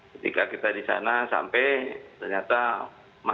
ketika kita di sana sampai ternyata masih